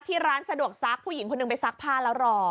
ที่ร้านสะดวกซักผู้หญิงคนหนึ่งไปซักผ้าแล้วรอ